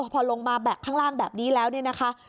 พอลงมาแบกข้างล่างแบบนี้แล้วเนี่ยนะคะ